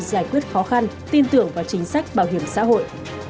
giải quyết khó khăn tin tưởng vào chính sách bảo hiểm xã hội